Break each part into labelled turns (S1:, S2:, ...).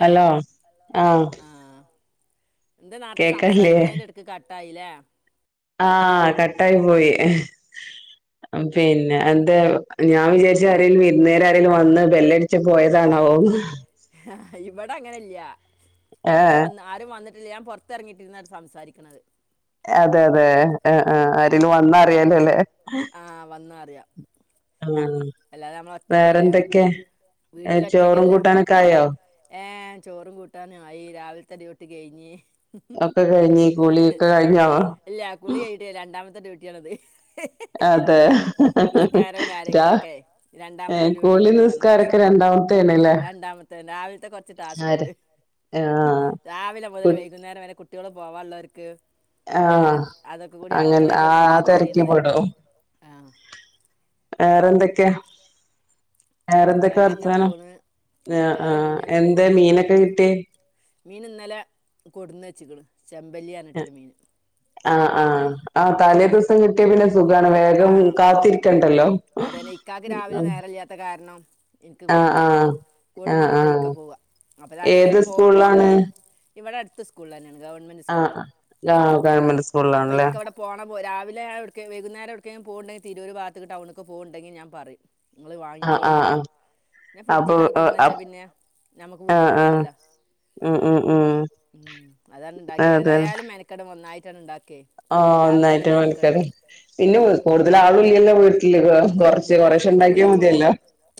S1: Hello ആ
S2: ന്താ നേരത്തെ സംസാരിക്ക്ന്ന എടക്ക് കാട്ട യിലെ
S1: ആ കട്ടായി പോയി എ ച്ച് പോയതാണോന്ന്
S2: ആ ഇവടെ അങ്ങനയില്ലാ ഇവടെ
S1: ഏഹ്
S2: വന്ന് ആരും വന്ന് ഞാൻ പൊറത്തെറങ്ങിട്ടിരുന്നാ സംസാരിക്കണ്ന്നത്
S1: അതെ അതെ ആ ആ ആരെലും വന്ന അറിയാലോല്ലേ യെ
S2: ആ റിയാം
S1: ആ വേറെന്തൊക്കെ ചോറും
S2: വീട്ടിലൊറ്റക്കല്ലേ
S1: കൂട്ടാനൊക്കെ ആയോ
S2: ഏ ചോറും കൂട്ടാനും ആയി രാവിലത്തെ അടി ഡ്യൂട്ടി കഴിഞ്ഞ്
S1: ഒക്കെ കഴിഞ്ഞി കൂളി ഒക്കെ കഴിഞ്ഞോ
S2: ഇല്ല കുളി കഴിഞ്ഞിട്ട് [inaudible]
S1: അതെ രാ
S2: െ
S1: ഏഹ്
S2: രണ്ടാമത്തെ ഡ്യൂട്ടി
S1: കുളി
S2: പെട്ടതാണ്ക്ഷ
S1: നിസ്കാരൊക്കെ രണ്ടാമത്തേണ്ല്ലേ
S2: രണ്ടാമത്തെ രാവിലത്തെ കുറച്ച് ടാസ്ക്
S1: ആര്
S2: ഉണ്ട്
S1: ആഹ്
S2: രാവിലെ
S1: കു
S2: മുതൽ വൈകുന്നേരം വരെ കുട്ടികളും പോവ എല്ലർക്ക്
S1: ആ അങ്ങനെ ആ
S2: കിടന്ന്
S1: ആ
S2: ഇങ്ങനെ
S1: രക്ക
S2: തിരിയണത്
S1: പടും
S2: ആ
S1: വേറെന്തൊക്ക കെ വേറെന്തൊക്കെ
S2: വേറെ ഇങ്ങനെ
S1: വർത്തനം
S2: പോണ്
S1: ആ
S2: വേറെ ഇങ്ങനെ
S1: എന്താ
S2: പോണ്
S1: മീനൊക്കെ കിട്ടി
S2: മീൻ ഇന്നലെ കൊടുന്ന് വെച്ചക്കണ് ചെമ്പല്ലിയാണ് രൂ ടെെർമീൻ
S1: ആ ആ ആ തലേ ദിവസം കിട്ടിയ പിന്നെ സുഖമാണ്
S2: ആ
S1: വേഗം കാത്തിരിക്കണ്ടല്ലോ
S2: അതന്നെ ഇക്കാക്ക് രാവിലെ നേരമില്ലാത്ത കാരണം എനിക്ക്
S1: ആ
S2: കൊടുന്ന്
S1: ആ
S2: തരും
S1: ആ
S2: കൊടുന്ന്
S1: ആ
S2: തന്നിട്ടാണ് ഇക്ക പോവുക അപ്പോൾ
S1: ഏത്
S2: തലേന്നുള്ള പോകുമ്പോൾ
S1: സ്കൂളിലാണ്
S2: ഇവിടെ അടു സ്ൂളിൽ തന്നാണ്
S1: ആഹ ആ ഗവൺമെന്റ് സ്കൂളിലാണല്ലേ
S2: ആ പോ രാവിലെട വൈകുന്നേരംടക്ക പോകുന്നുണ്ടെിൽ തിരൂർ ഭഗത്ത് ടണ ഒെ പോകുന്നുണ്ടെങ്കിൽ ഞാൻ പറയും നിങ്ങൾ
S1: ആഹ് ആഹ് ആഹ്
S2: വാങ്ങിക്കോളന്ന്റിയ
S1: അപ്പൊ
S2: ഫ്രിഡ്ജിൽ
S1: ആഹ്
S2: കണക്കൂട്ടന്ന് വച്ചാ പിന്നെ നമക്ക് ബുദ്ധിമുട്ട
S1: ആഹ്
S2: ചെയല്ലോ
S1: ഉം ഉം ഉം
S2: ഉ അതാണ് ഉണ്ടാക്കിയ അതായാലും മെനക്കട ഒന്നായി ഉണ്ടാക്ക
S1: ആഹ നന്നായി മണിക്ക
S2: ആ,
S1: പിന്നെ കൂടുതൽ ആള ഇില്ലല്ല വീട്ടില് കൊറച്ച്
S2: ഇല്ല
S1: കൊറേശെ ഉണ്ടാക്കിയാ
S2: അല്ല ചോ
S1: മതിയല്ലോ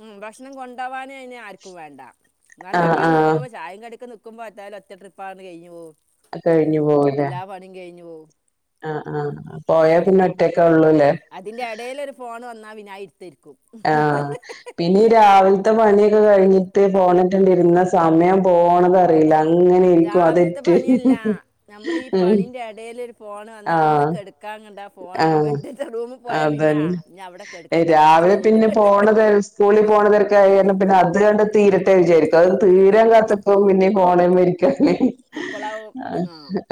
S2: ഉ ഭക്ഷണം കൊണ്ടകാന അ ആർക്കും വേണ്ട എന്നാലും
S1: ആഹ്
S2: നമ്മളാ
S1: ആഹ്
S2: നിക്കുമ്പോ ചായം കടിക്ക ന നക്കുമോ എാല ഒറ്റട്രിപ്പ്ാണ് കഴഞ്ഞുവോ
S1: അ കഴിഞ്ഞു പോവലേ
S2: പോകും
S1: ആ ആ പോയാ പിന്നെ ഒറ്റക്കെ ഉള്ളൂ
S2: അതിന്റെ ഇടൽൊ ഒരു ഫോണ് വന്നാ വിന
S1: ആഹ പിന്നെ രാവിലത്തെ പണിയൊക്കെ കഴിഞ്ഞിട്ട് പോന്നിട്ടുണ്ടിരുന്ന സമയം പോണത അറിയില്ല അങ്ങനെ ഇരിക്കും
S2: രാവിലത്തെ
S1: അതെറ്റ്
S2: പണിയല്ല നമ്മൾ ഈ
S1: ഉം
S2: പണിന്റെ ഇടൽ ഒരു ഫോൺ വന്ന ഒന്ന് കെടുക്കാൻ കണ്ട ഫോൺ
S1: ആഹ
S2: ബെഡിൻ്റെ റൂമിൽ പോയാൽ പിന്നെ ആ ഞാൻ അവിടെ
S1: അതന്നെ
S2: കെടുക്കട്ടെ കുറച്ച്
S1: രാവിലെ
S2: കഴിഞ്ഞിട്ട്
S1: പിന്നെ പോണത് സ്കൂളിൽ പോണതരക്കെ ആയി കാരണം പിന്നെ അത് കണ്ട തീരത്തെ വിചാരിക്കും അത് തീരാൻ കാത്തിക്കും പിന്നെ ഓൺലൈൻ മേടിക്കാൻ
S2: അപ്പോളാവും ആ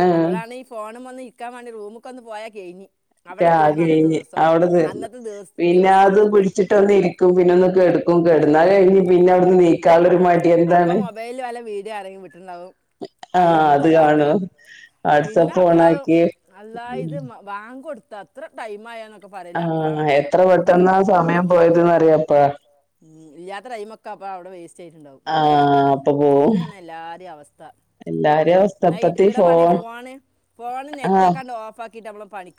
S1: ആഹ്
S2: അപ്പോളാണ് ഈ ഫോണും വന്ന് ഇക്ക വന്ന് റൂമ പക്കൊന്ന് പോയാൽ കഴിഞ്ഞു
S1: കഴിഞ്ഞ് അവിടെ തന്ന
S2: അന്നത്തെ ദിവസ
S1: പിന്നെ അത്
S2: ദിവസം
S1: പിടിച്ചിട്ട ഒന്ന് ഇരിക്കും പിന്നെ ഒന്ന് കേടക്കും കിടന്നാല് എനിക്ക്പിന്നെ അവിടുന്ന് നീ കളറിമാട്ടി എന്താണ്
S2: ആരങ്കിലും വിട ണ്ടാവും ആ
S1: ആഹ്
S2: ഇരുന്ന്
S1: അത്
S2: കാണുക
S1: കാണും
S2: പിന്നെ
S1: വാട്സപ്പ്
S2: അപ്പോളാകും
S1: ഓണാക്കി
S2: അള്ളാ
S1: ഉം
S2: ഇത് ബാങ്കു കൊടുത്ത തത്ര ടൈമായാന്ന് നോക്കി
S1: ആഹ എത്ര പെട്ടെന്ന സമയം പോയത തന്ന് അറിയാത്ത
S2: ഉം ഇല്ലാത്ത ടൈമൊക്കെ അപ്പ അവിടെ വേസ് ചെയ്ട്ടുണ്ടാവും അതു തന്നെയാണ് എല്ലാവരുടെയും അവസ്ഥ
S1: എല്ലാരെയും അവസ്ഥ
S2: എന്നാൽ
S1: അപ്പത്തി
S2: എടുക്കണ പണി
S1: ഫോൺ
S2: ഫോണ് ഫോണ് നെറ്റ് ഒക്കെണ്ട് ഓഫ് ആക്കി ക്കിട്ട് നമ്മളെ പണി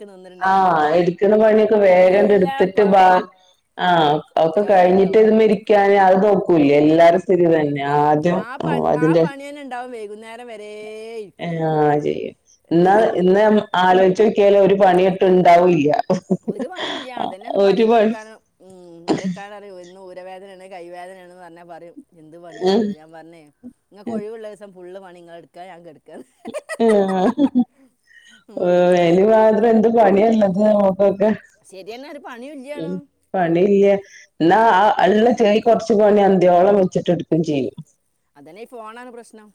S1: ആഹ എടുക്കുന്ന പണിയൊക്കെ വേഗം മങ്ങ്
S2: എല്ലാ
S1: എടുത്തിട്ട്
S2: പണിയും
S1: ആഹ ഒക്കെ കഴിഞ്ഞിട്ട്
S2: കഴിഞ്ഞിട്ടുണ്ടാവും
S1: വന്ന് ഇരിക്കാന് അത് നോക്ക ല്ലേ എല്ലാരും സ്ഥിതി ഇത് തന്നെ ആദ്യം
S2: ആ
S1: ഓ
S2: പണി ആ
S1: അതിന്റെ
S2: പണി തന്നെ ഉണ്ടാവും വൈകുന്നേരം വരെ ഇരിക്കണം
S1: ഉം [inaudible] ഒരു പണിയിട്ടുണ്ടാവില്ല
S2: ഒരു പണില്ല അത് തന്നെയാണ് പറയെൻ്റെ ക്കാ എൻ്റെക്കാന്ന് എന്തൊക്കാറിയോ തലവേദനയാണ് കൈവേദനയാന്ന് പറഞ്ഞ പറയും എന്ത് പണിയാ ഉള്ളത് ഞാൻ പറഞ്ഞേ ഇങ്ങക്ക് ഒഴിവുള്ള ദിവസം ഫുള്ള് പണി നിങ്ങൾ എടുക്കാ ഞാൻ കിടക്കും
S1: ആ ഹ് ഹ് വേല മാതം എന്ത് പണിയാ ഉള്ളത് ആവോ മ്
S2: ശരിയെന്നെ ഒരു പണിയില്ലാണ്
S1: പണിയില്ല എന്നാ ആ അതിനുള്ള കുറച്ചു പണി അന്തിയോളം വെച്ചിട്ട്ടുക്കയും ചെയ്യും
S2: അതന്നെ ഈ ഫോണാണ് പ്രശ്നം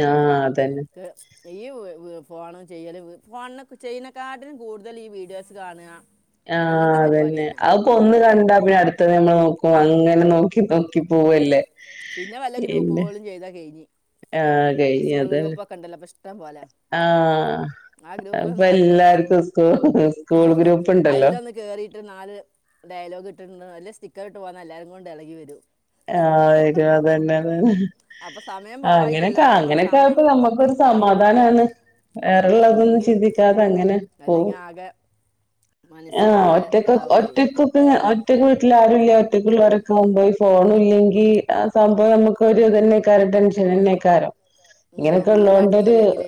S1: ആ് അ
S2: ഈ ഹ് ഫോണും ചെയ്യലും ഫോണ് ചെയ്യുന്നെക്കാട്ടിനും കൂടുതൽ ഈ വീഡിയോസ് കാണുക
S1: ആ
S2: അങ്ങനത്തെ പരിപാടി
S1: അതന്നെ
S2: തന്നെ
S1: അവൾക്ക് ഒന്ന് കണ്ട പിന്നെ അടുത്തത് എന്നെ നോക്കും ഓ അങ്ങനെ നോക്കി നോക്കി
S2: ഉം.
S1: പോവല്ലേ
S2: പിന്നെ വല്ല ഗ്രൂപ്പ്
S1: പിന്നെ
S2: കോളും ചെയ്താൽ കഴിഞ്ഞ്
S1: ആഹ് കഴിഞ്ഞ അതന്നെ
S2: ഇ പോലെ
S1: ആഹ് അപ്പൊ
S2: ല്ല
S1: എല്ലാർക്കും സ്കൂ സ്കൂൾ ഗ്രൂപ്പ് ഉണ്ടല്ലോ
S2: സ്റ്റിക്കർ ഇട്ട് പോന്ന എല്ലരും കൊണ്ട് ഇളികെ വരും
S1: ആഹ വരും അതന്നെ അതന്നെ
S2: അപ്പം സമയം പോവായിട്ടല്ല
S1: അങ്ങനെയൊക്കെ
S2: അപ്പം നമ്മളെ
S1: അങ്ങനെയൊക്കെ
S2: സമയം
S1: ആയപ്പോ നമ്മക്കരു സമാധാനമാണ്
S2: ഉം,
S1: വേറെള്ളതൊന്നും
S2: അല്ലെങ്കിൽ
S1: ചിന്തിക്കാതെ അങ്ങനെ
S2: അല്ലെങ്കിൽ
S1: പോകും
S2: ആകെ
S1: ആഹ
S2: മനസ്സിനാകെ
S1: ഒറ്റക്ക
S2: ഇതാവുമേ
S1: ഒറ്റക്കൊക്കെ ഒറ്റ വീട്ടില ആരും ഇല്ല ഒറ്റേക്കുള്ളള്ള വരെ ഒകെ കൊണ്ട് പോയി ഫോണ ഇല്ലെങ്കിൽ ആ സംഭവം നമുക്ക്ൊ ഇതന്നെക്കാലം ടെൻഷനന്നെക്കാലം ഇങ്ങനെയൊക്കെ
S2: വീടടുത്തും അല്ലെങ്കിൽ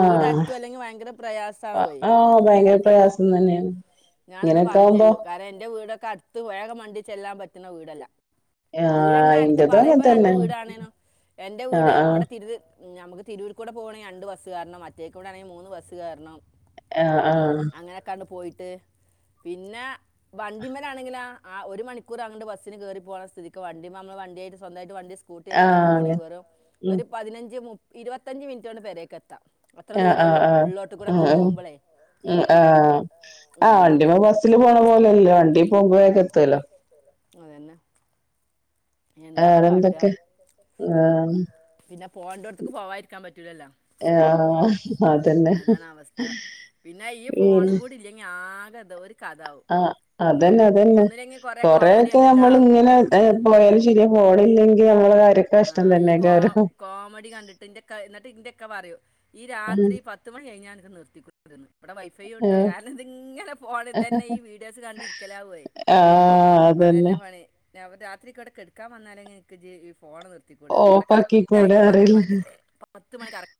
S2: വീടടുത്തും അല്ലെങ്കിൽ ഭയങ്കര പ്രയാസമാണ് പോയി
S1: ആഹ ഭയങ്കര പ്രയാസം തന്നെയാണ് ഇങ്ങനെയൊക്കെ ആകുമ്പോ
S2: കത്ത് വഴക മണ്ടിച്ചെല്ലാൻ പറ്റുന്ന വീടല്ലാം
S1: ആഹ്
S2: വീട്ണാ എടുത്ത്
S1: ഇന്റതും അങ്ങനെ
S2: പറയുമ്പോ രണ്ട
S1: തന്നെ
S2: വീടാണേനോ എൻ്റെ വീട്
S1: ആഹ് ആഹ്
S2: ഇവിടെ തിരിത് നമുക്ക് തിരൂർ കൂടെ പോകയാണെിൽ രണ്ട് ബസ് കയറണം മറ്റേക്കൂടെ ആണെങ്കിൽ മൂന്ന് ബസ് കയറണം
S1: ആഹ ആഹ
S2: ന്ന വന്നിട്ടാണെങ്കിൽ ഒരു മണിക്കൂർ ബസ് കയറി അങ്ങോട്ട് പോകും പോകുന്ന സ്ഥിതിക്ക് വണ്ടി നമ്മ വണ്ടിയ ആട്ട് സ്വമായിട്ട് സ്കൂട്ടി അടിക്ക്
S1: ആഹ്
S2: പോകവാണെങ്കിൽ വറും
S1: ഉം
S2: ഒരു പതിനഞ്ച് മുപ്പ ഇരുപത്തഞ്ച് മിനിറ്റ് കൊണ്ട് പ വരേക്ക എത്താം അത്ര
S1: ആ
S2: ദൂരമേ ഉള്ളൂ
S1: ആഹ്
S2: ഉള്ളോട്ട് കൂടെ ഒക്കെ
S1: ആഹ്
S2: പോകുമ്പോഴേ
S1: ആ ആ ആ് വണ്ടിപ്പോ ബസ്സിില് പോണ പോലെയല്ലോ വണ്ടി പോ വക്ക ഇത്ത ഇല്ല
S2: അതന്നെ എന്താപ്പൊ കാട്ടുക
S1: വേറെന്തൊക്കെ ആഹ്
S2: പിന്നെ ഫോണിന്റെ അടുത്തക്ക് പോവാരിക്കാൻ പറ്റൂലല്ലോ
S1: ആഹ് അതന്നെ
S2: അതാണ് അവസ്ഥ പിന്നെ ഈ ഫോണും കൂടി ഇല്ലെങ്കി ആ അത
S1: ആ അതന്നെ അതന്നെ
S2: ഒന്നില്ലെങ്കിൽ കുറേ കോമഡി
S1: കൊറൊക്കെ
S2: കണ്ടിട്ടാ
S1: നമ്മൾ ഇങ്ങനെ ച ഹോളല്ലെങ്കെ
S2: ആ ഈ കോ കോമഡി കണ്ടിട്ട് ഇന്റെയക്കെ എന്നിട്ട് ഇന്റെയൊക്കെ പറയൂ ഈ
S1: ഉം
S2: രാത്രി പത്തുമണി കഴിഞ്ഞാണ് നിർത്തിക്കെ ഇവിടെ വൈഫൈ ഉണ്ട്
S1: ആഹ്
S2: കാരണം ഇതിങ്ങനെ ഫോണ ഇത തന്നെ ഈ വീഡിയോസ് കണ്ടിരിക്കലാവേ
S1: ആഹ് അതന്നെ
S2: അത്ന്നെ ഫോണ രാത്രിക്ക ഇടക്ക് എടുക്കാൻ വന്നാലെ എനിക്ക് ജ ഫോണ നിർത്തിക്കൂട ഇവിടെ കറക്റ്റ്
S1: ഓഫാക്കിക്കൂടെ
S2: ആയിട്ട് പത്ത് മണി
S1: അറിയില്ല
S2: പത്ത് മണി കറക്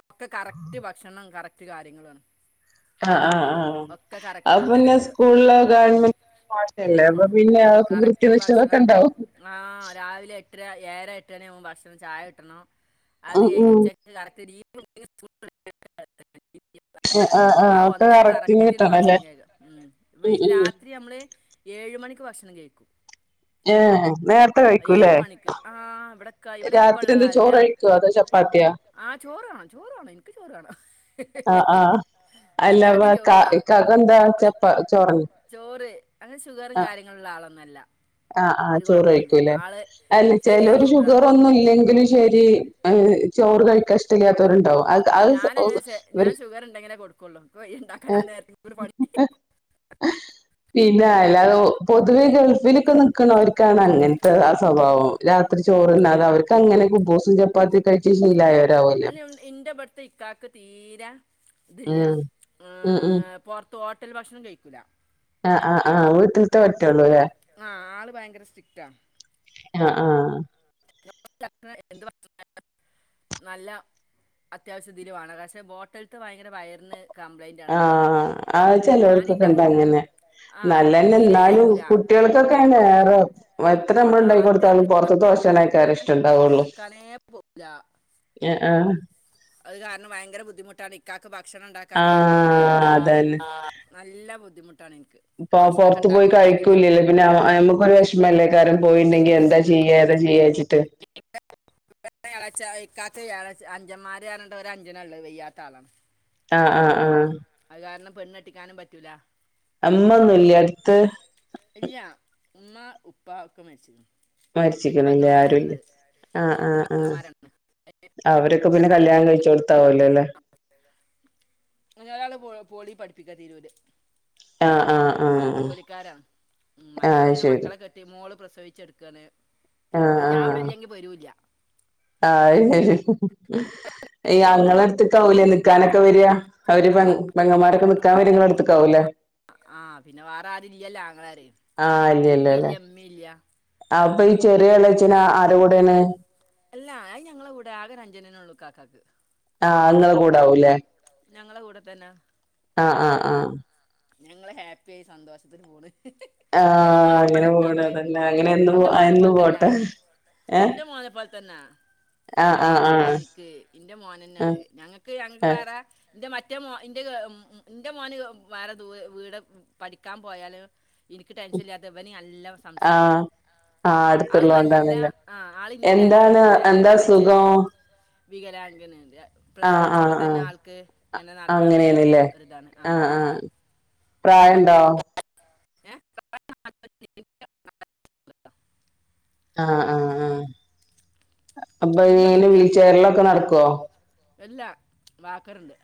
S2: ഒക്കെ കറക്റ്റ് ഭക്ഷണം കറക്റ്റ് ഒ കാര്യങ്ങൾ വ
S1: ആ ആ ആ ആഹ അന്നെ
S2: ഒന്നരക്ക്
S1: സ്കൂളിലോ ഗവൺമെന്റ്ല്ലേ
S2: ആ
S1: അപ്പൊ പിന്നെ അവക്ക്
S2: കറക്റ്റ്
S1: കൃത്യനിക്ഷതൊക്കെ ഉണ്ടാവും
S2: ഇത് ഏഴ് എട്ടരായാകുമ്പൾ ഭക്ഷണം ചായ കിട്ടണം അത്
S1: ഉം
S2: കഴിഞ്ഞ്
S1: ഉം
S2: ഉച്ചയ്ക്ക് കറത്തി [unintelligible]
S1: ആ ആ ആക്കെ കറക്ട്
S2: കറക്റ്റിന് ഭക്ഷണം കേൾക്കാം രാത്രി നമ്മള് ഏഴ് ഏഴു മണിക്ക് ഭക്ഷണം കേക്കും
S1: ഏ നേരത്തെ കഴിക്കൂല്ലേ
S2: മണിക്ക് ആ ഇവിടെ ക- ഇവിടെ ഇപ്പം
S1: രാത്രി
S2: ഉള്ള
S1: എന്ത് ചോറ്
S2: കാലത്താ
S1: കഴിക്കുവ അതോ ചപ്പാത്തിയാ
S2: ചോറാണോ എനിക്ക് ചോറാണ്
S1: ആ ആഹ അല്ലവാ
S2: ചോറ് വേണം
S1: ക്കകെ എന്താ
S2: ഒ-
S1: ചെപ്പ ചോറന്ന്
S2: ചോറ് അങ്ങനെ ഷുഗറും കാര്യങ്ങളും ഉള്ള ആളൊന്നുമല്ല
S1: ആഹ ആഹ് ചോറ്ഴിക്കൂല്ലേ അല്ല ചില
S2: ശരീരം
S1: ഒരു
S2: നോക്കുന്ന
S1: ഷുഗർ
S2: ആളാ
S1: ഒന്നും ഇല്ലെങ്കിലും ശരി ചോറ് കഴിക്കാ ഇഷ്ട ഇല്ലാത്തവരുണ്ടാവാം
S2: ഞാനങ്ങനെ ഞാൻ ഷുഗർ ഉണ്ടെങ്കിലേ കൊടുക്കുള്ളൂ ഇണ്ടാക്കാന നേരത്തെ ഒരു പണി
S1: പിന്നായി അല്ല പൊതുവെ ഗൾഫില് ഇപ്പ നിക്കണവർക്കാണ് അങ്ങനത്തെ ആ സ്വഭാവം രാത്രി
S2: ആ
S1: ചോറ്ന്നാത അവർക്ക് അങ്ങനെ കുബൂസം ചപ്പാത്തി കഴിച്ചു ശീലായവരാവൂലെ
S2: അല്ല ദിയ്യ ആഹ് പോർത്ത് തോട്ടല് ഭക്ഷണം കഴിക്കൂല
S1: ആഹ് ആഹ് ആഹ് [unintelligible] [unintelligible] ള്ളുലേ
S2: ആ ആള് ഭയങ്കര സ്ട്രിക്റ്റാ
S1: ആഹ് ആഹ്
S2: [unintelligible] നല്ല അത്യാവശ്യ ദിലുവാണ് പക്ഷേ ബോട്ടല്ത്ത് ഭയങ്കര വയറ്ന്
S1: ആഹ് അത്
S2: ഞാൻ
S1: ചെലോർക്കൊക്കെ
S2: എൻ്റെ
S1: ഇണ്ട
S2: വീട്ടിൽ
S1: അങ്ങനെ
S2: ആ
S1: നല്ലതന്നെ
S2: തീരെ
S1: എന്നാലും
S2: കഴിക്കൂല
S1: കുട്ടികൾക്കൊക്കെ വേറെ എത്ര നമ്മള്
S2: ആ
S1: ണ്ടാക്കി
S2: അത്
S1: കൊടുത്താലും പൊറത്ത്ത്തെ
S2: കാരണം
S1: ബാഷണെ ക്കാര ഇഷ്ട
S2: വീട്ടിൽ
S1: ണ്ടാവുള്ളൂ
S2: നിൽക്കാനേ പോകില്ല
S1: ആഹ്
S2: അത് കാരണം ഭയങ്കര ബുദ്ധിമുട്ടാണ് ഇക്കാക്ക് ബ
S1: ആഹ് അതന്നെ
S2: നല്ല ബുദ്ധിമുട്ടാണ് എനിക്ക്
S1: ഇപ്പോ
S2: ഭക്ഷണമൊക്കെ
S1: പൊറത്ത് പോയി
S2: ഉണ്ടാക്കിയിട്ട് അല്ലെങ്കിൽ
S1: കഴിക്കൂല്ലല്ലേ പിന്നെ നമുക്കൊരു വിഷമല്ലേ കാരൻ പോയിണ്ടെങ്കി എന്തായ ജീയാ ഏതാ ജീയച്ചിട്ട്
S2: കാത്ത വ്യാഴാഴ്ച അഞ്ചന്മാര് [unintelligible] ഒരു അഞ്ചിനള്ള വെയ്യാത്ത ആളാണ്
S1: ആഹ് ആഹ് ആഹ്
S2: അത് കാരണം പെണ്ണെട്ടിക്കാനും പറ്റൂല
S1: അമ്മ ഒന്നുവില്ലേ അടുത്ത്
S2: ഇല്ല ഉമ്മ ഉപ്പ ഒക്കെ മരിച്ച്ക്ക് ണ്
S1: മരിച്ചിക്കണില്ലേ ആരുവില്ല ആഹ് ആഹ്
S2: രണ്ട്
S1: ആഹ്
S2: പെങ്ങന്മാരാണ്
S1: അവരൊക്കെ പിന്നെ
S2: ഒരാ-
S1: കല്യാണം കഴിച്ചോടുത്താവല്ലോല്ലേ
S2: ഒരാള് പോ പോളി പഠിപ്പിക്കാ തീരുര്
S1: ആഹ് ആഹ് ആഹ്
S2: ജോലിക്കാരാ മറ്റാള്
S1: ആഹ്
S2: പിന്നെ
S1: ശരി
S2: മക്കളെ കെട്ടി മോള് പ്രസവിച്ചെടുക്കാന്
S1: ആഹ്
S2: അത് ഞാൻ ഇവടെ
S1: ആഹ്
S2: ഇല്ലെങ്കി വരൂല്യ
S1: ആഹ് ശ അയ് ഞങ്ങളടുത്ത്ക്കാ ഓല് നിക്കാനൊക്കെ വര അവര് പങ്ങന്മാരൊക്കെ നിക്കാൻ വാര ഇങ്ങളെട്ത്ത് ക്കാവുലെ
S2: ആ പിന്നെ വേറെ ആരും ഇല്ലല്ലോ ആങ്ങളാര്
S1: ആഹ്
S2: ഇപ്പില്ല
S1: അല്ലെല്യാെലെ
S2: ഇമ്മയില്ല
S1: അപ്പൊ ഈ ചെറ്യെ എള്ളച്ചനാ ആര കൂടേണ്
S2: എല്ലാ അഹ് ഞങ്ങളെ കൂടെ ആകെ അഞ്ജനെ നൊള്ളു കാക്കാക്ക്
S1: ആഹ് ഇങ്ങളെ കൂടാവൂല്ലേ
S2: ഞങ്ങളെ കൂടെ തന്നെ
S1: അഹ്ആഹ് ആഹ്
S2: ഞങ്ങള് ഹേപ്പി ത്തയി സന്തോഷത്തിന് പോണ്
S1: ആഹ
S2: എൻ്റെ മോനെ പോ-
S1: അങ്ങനെ പോണ അതല്ലെ അങ്ങനെ എ പോ
S2: എൻ്റെ മോനെ
S1: എന്
S2: പോലെ തന്നെ
S1: പോട്ടെ ഏ
S2: എൻ്റെ മോനെ പോലെ തന്നെ
S1: ആഹ ആഹ ആഹ
S2: എനിക്ക് എൻ്റെ
S1: ആഹ ആഹ
S2: എന്റെ മറ്റേ മോ ഇന്റെ ഇന്റെ മോന് വേറെ ദൂരെ വീട് പഠിക്കാ പോയാല് ഇനിക്ക് ടെൻഷൻ ഇല്ലാതെ ഇവന് അല്ല ല്ല
S1: ആഹ്
S2: സംസാരിക്കും
S1: ആഹ്
S2: ആള് നല്ല
S1: അടുത്തുള്ളോണ്ടാണല്ലേ
S2: ആഹ് ഇല്ലായ്റ്റല്ല
S1: എന്താണ്
S2: കമ്പനി പക്ഷെ
S1: എന്താ
S2: എളേയ്ച്ചന്
S1: അസുഖം
S2: വികരാങ്കന് ഇൻ്റെ
S1: ആഹ്
S2: പ്രസവിച്ചപ്പ
S1: ആഹ്
S2: തന്നെ
S1: ആഹ്
S2: ആൾക്ക് ഇങ്ങനെ നടക്കാൻ വയ്യാത്ത ഒര് ഇതാണ് ആഹ്
S1: പ്രായം ഇണ്ടൊ
S2: ഏഹ് [unintelligible] [unintelligible] [unintelligible]
S1: ആഹ് ആഹ് ആഹ് അപ്പൊ
S2: നല്ല
S1: ഇഞെങ്ങനെ വീൽചെയറിലൊക്കെ നടക്കോ?
S2: ഇല്ലാ വാക്കറ്ണ്ട്.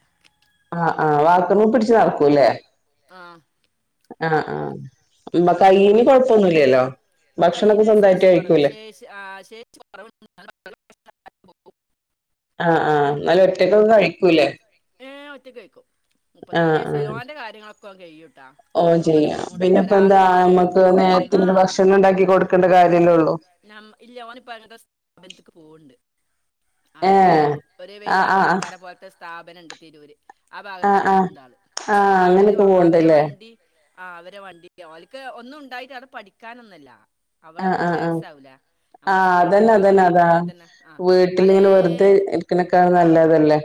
S1: ആഹ് ആഹ് വാക്കർമ പിടിച്ച് നടക്കും ല്ലേ.
S2: ആഹ്
S1: ആഹ് ആഹ് ഉം കൈയിനി കൊഴപ്പൊന്നുല്ലല്ലോ ഭക്ഷണൊക്കെ
S2: കയ്യിനൊരു
S1: സ്വന്തായിട്ട്
S2: ശേഷി കുറവ്
S1: കഴിക്കൂലേ?
S2: ശേഷി ആ ശേഷി കുറവ്
S1: ആഹ് ആഹ് എന്നാലും ഒറ്റക്കൊക്ക കഴിക്കൂല്ലേ.
S2: ഏഹ് ഒറ്റക്ക് കഴിക്കും. മുപ്പത്നാല്
S1: ആഹ്
S2: വയസായ്‌ലേ.
S1: ആഹ്
S2: ഓന്റെ കാര്യങ്ങളൊ ക്കെ ഓൻ കെയ്യും ട്ടാ.
S1: ഓൻ
S2: അമ്മക്കൊരു
S1: ചെയ്യാ
S2: ബുദ്ധിമുട്ടൂല്ല.
S1: പിന്നെപ്പ
S2: ഒരാള്
S1: എന്താ
S2: വന്നാൽ ഇന്
S1: നമ്മക്ക് നേരത്തിനൊരു
S2: ആഹ്
S1: ഭക്ഷണം ഉണ്ടാക്കി കൊടുക്കേണ്ട കാര്യല്ലേ
S2: പിന്നെ
S1: ഉള്ളൂ
S2: ഇല്ല ഓനിപ്പോ അങ്ങൻത്തെ സ്ഥാപനത്ക്ക് പോവ്ണ്ട്. ആള്
S1: ഏഹ്
S2: ഒര്
S1: ആഹ്
S2: വെയ്യാത്ത
S1: ആഹ് ആഹ്
S2: ആൾക്കാരെ പോൽത്തെ സ്ഥാ പനണ്ട് തിരൂര് ആ
S1: ആഹ്
S2: ഭാഗത്ത്ക്ക്
S1: ആഹ്
S2: പോക്ണ്ടാള്
S1: ആഹ്
S2: അപ്പൊ അവര്
S1: അങ്ങനെയൊക്കെ
S2: അവരെ
S1: പോവ്ണ്ടല്ലേ
S2: വണ്ടി ആഹ് അവര് വണ്ടിൻ്റെ ഓൽക്ക് ഒന്നും ഉണ്ടായിട്ട് അവ്ടെ പഠിക്കാനൊന്നല്ല. അവിടെ
S1: ആഹ് ആഹ് ആഹ്
S2: റിലാക്സ് ആവൂല നമ്മളെ
S1: ആഹ്
S2: സ്കൂൾ
S1: അതന്നെ
S2: കുട്ടികളെ
S1: അതന്നെ അതാ
S2: കൊണ്ടാക്കുമ്പോൾ തന്നെ ആ പലേ
S1: വീട്ടിലിങ്ങനെ വെറുതെ ഇരിക്കണേക്കാളും നല്ലെ അതല്ലേ.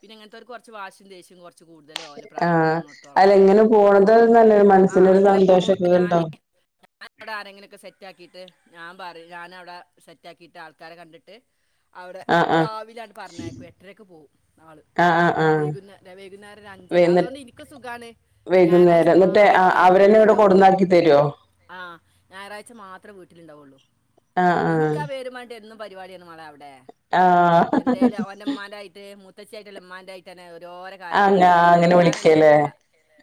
S2: പിന്ന ഇങ്ങൻത്തോർക്ക് കൊർച്ച് വാശിയും ദേഷ്യവും കൊർ ച്ച് കൂടുതലും ആവല്ലോ. പ്രായം
S1: ആഹ്
S2: ചെല്ല്നോട്ത്തോളം
S1: അല്ല ഇങ്ങനെ പോണത് നല്ലൊരു
S2: ആഹ്
S1: മനസ്സിനൊരു
S2: അങ്ങനെ
S1: സന്തോഷൊക്കെ
S2: പോവുമ്പം ഞാന്
S1: ഉണ്ടാവും
S2: ഞാനിവിടെ ആരെങ്കിലൊക്കെ സെറ്റാക്കിട്ട് ഞാൻ പറയും ഞാന് അവിടെ സെറ്റാക്കിട്ട് ആൾക്കാരെ കണ്ടിട്ട് അവിടെ
S1: ആഹ് ആഹ്
S2: രാവിലാണ്ട് പറഞ്ഞയക്കും എട്ടരയ്ക്ക് പോകും
S1: ആഹ് ആഹ് ആഹ് വൈന്ന വൈകുന്നേരം എന്നിട്ട് അവരന്നെ ഇവിടെ കൊടുന്നാക്കി തരുവോ ആഹ്
S2: [inaudible] ഇന്ന് പരിപാടിയാണ് മളെ അവി ടെ
S1: ആഹ് ആഹ്
S2: എന്തേലും ഓന്റുമ്മാന്റായിട്ട് മു ത്തശ്ശിയായിട്ടല്ല ഉമ്മാന്റായിറ്റെന്നെ ഓരൊരോ കാര്യത്തിന് ഇന്നെ
S1: ആഹ്
S2: വിളിക്കല്
S1: അങ്ങനെ
S2: ഇക്കാനല്ല
S1: വിളിക്കല്ലേ
S2: വിളിക്കാ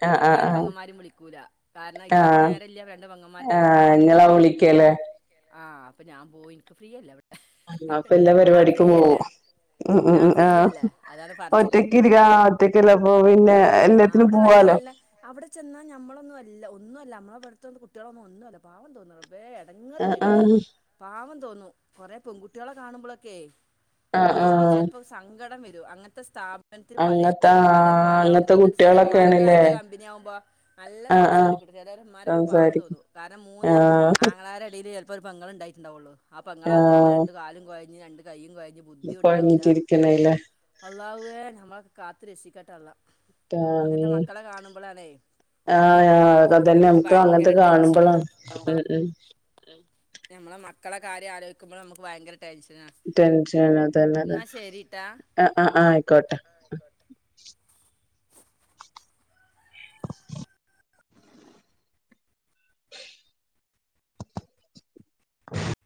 S1: ആഹ് ആഹ്
S2: ഇക്കാനേം
S1: ആഹ്
S2: പെങ്ങന്മാരും വിളിക്കൂല കാരണം ഇക്കാക്ക്
S1: ആഹ്
S2: നേരല്ല രണ്ട് പെങ്ങന്മാർക്ക് അത്രേം
S1: ആഹ്
S2: നേരല്ല
S1: ഇങ്ങളാ വിളിക്കല്ലേ
S2: ആഹ് അപ്പം ഞാൻ പോയി ൻക്ക് ഫ്രീയല്ലേ അവി
S1: ആ അപ്പം എല്ലാ പരിപാടിക്കും പോകും ഉം
S2: ഞാൻ
S1: ഉം
S2: ഫ്രീ
S1: ആഹ്
S2: അല്ലേ അതാണ് പറച്ചില്
S1: ഒറ്റക്ക് ഇരിക്ക ആഹ് ഒറ്റക്കല്ലേ അപ്പൊ പിന്നെ
S2: ആ
S1: എല്ലാത്തിനും
S2: അവിടെ നല്ല
S1: പോവാലോ
S2: നല്ല അവിടെ ചെന്നാ ഞമ്മളൊന്നും അല്ല ഒന്നുഅല്ല [unintelligible] കുട്ടികളൊന്നും ഒന്നുമല്ല പാവം തോന്നുള്ളൂ റബ്ബേ എടങ്ങറ്
S1: ആഹ്
S2: വരും
S1: ആഹ്
S2: പാവം തോന്നുന്നു കൊറേ പെൺകുട്ടികളെ കാണുമ്പോളൊക്കെയെ
S1: ആഹ്
S2: ള്ളോ
S1: ആഹ്
S2: ചെലപ്പം സ സങ്കടം വരും അങ്ങനത്തെ സ്റ്റാ [unintelligible]
S1: അങ്ങത്തെ
S2: പലേരും
S1: ആഹ്
S2: പല
S1: അങ്ങത്തെ
S2: കോലാവുമ്പോൾ എന്നിട്ട് ചിലന്മാരൊക്കെ
S1: കുട്ടികളൊക്കെയാണല്ലേ
S2: നല്ല കമ്പനി ആകുമ്പോ നല്ല
S1: ആഹ് ആഹ്
S2: സംസാരികക്കും ചെലവൻമാരൊക്കെ പാവം
S1: സംസാരി
S2: തോന്നും കാരണം മൂന്ന്
S1: ആഹ്
S2: ആങ്ങളമാരുടെ ഇടയില് ചിലപ്പോൾ ഒരു പെങ്ങളു ഡായിട്ടുണ്ടാവുള്ളൂ അപ്പൊ ഇങ്ങളാവും ചെലപ്പോ രണ്ട് കാലും കൊ രണ്ട് കൈയും കൊ
S1: കൊഴഞ്ഞിട്ടിരിക്കണെ ഇല്ലേ
S2: അള്ളാഹുവേ നമ്മ കാത്ത് രക്ഷിക്കട്ട്അള്ള
S1: [unintelligible] ആഹ് ആ അതൊക്കെതന്നെ നമുക്ക്
S2: ഭയങ്കര
S1: അങ്ങനത്തെ
S2: ടെൻഷന്
S1: കാണുമ്പോളാണ് മ് മ്
S2: നമ്മളെ മക്കളെ കാര്യം ആലോചിക്കുമ്പോൾ നമുക്ക് ഭയങ്കര ടെൻഷനാ
S1: ടെൻഷൻ അതന്നെതാണ്
S2: എന്നാ ശരിട്ടാ
S1: ആ ആ ആയിക്കോട്ടെ [unintelligible] [inaudible]